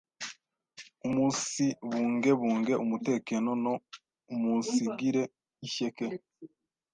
umunsibungebunge umutekeno no umunsigire ishyeke.